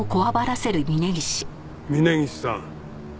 峯岸さん。